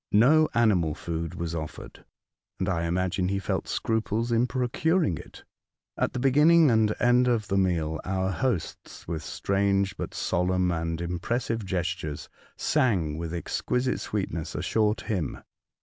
No animal food was offered, and I imagine he felt scruples in procuring it. At the beginning and end of the meal our hosts, with strange but solemn and impressive gestures, sang with exquisite sweetness a short hymn.